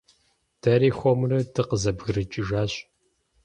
Дэри хуэмурэ дыкъызэбгрыкӀыжащ.